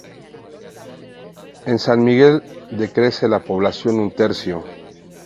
En San Miguel decrece la población un tercio.